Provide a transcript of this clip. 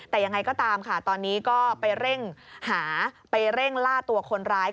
แต่ยังไงก็ตามค่ะตอนนี้ก็ไปเร่งหาไปเร่งล่าตัวคนร้าย